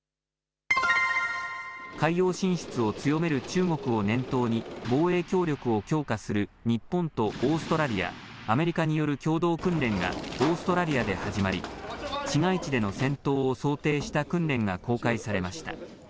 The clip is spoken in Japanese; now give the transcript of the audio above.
海洋進出を強める中国を念頭に、防衛協力を強化する日本とオーストラリア、アメリカによる共同訓練が、オーストラリアで始まり、市街地での戦闘を想定した訓練が公開されました。